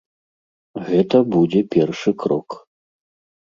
Гэта будзе першы крок.